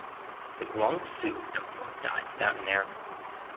The Guangxu Emperor died without an heir.